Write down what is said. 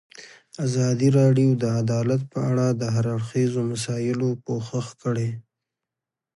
ازادي راډیو د عدالت په اړه د هر اړخیزو مسایلو پوښښ کړی.